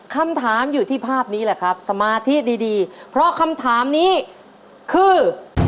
คำถามอยู่ที่ภาพนี้แหละครับสมาธิดีดีเพราะคำถามนี้คือ